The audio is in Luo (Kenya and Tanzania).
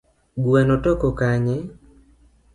Gweno toko kanye?